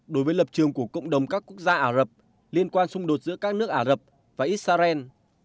đối với lập trường của cộng đồng các quốc gia ả rập liên quan xung đột giữa các nước ả rập và israel